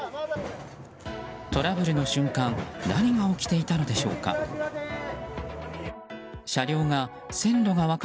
トラブルの瞬間何が起きていたのでしょうか。